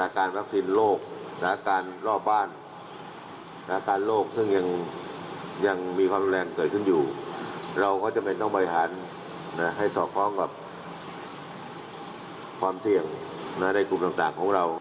ความเสี่ยงช่างกลุ่มต่างของเรา